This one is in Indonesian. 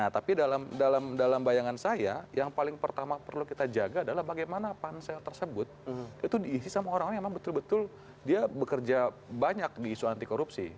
tapi dalam bayangan saya yang paling pertama perlu kita jaga adalah bagaimana pansel tersebut itu diisi sama orang orang yang memang betul betul dia bekerja banyak di isu anti korupsi